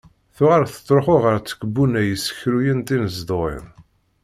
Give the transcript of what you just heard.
Tuɣal tettruḥu ɣer tkebbunay yessekruyen tinezduɣin.